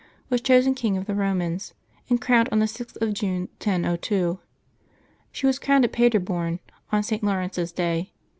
was chosen king of the Komans, and crowned on the 6th of June, 1002. She was crowned at Paderborn on St. Laurence's day.